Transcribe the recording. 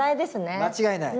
間違いない。